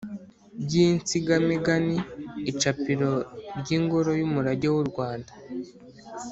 by’insigamigani, icapiro ry’ingoro y’umurage w’u rwanda,